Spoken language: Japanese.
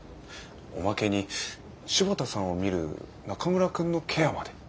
おまけに柴田さんを見る中村くんのケアまで。